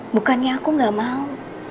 bukannya aku gak mau